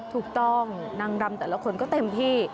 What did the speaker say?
ถูกต้องนางรำแต่ละคนก็เต็มที่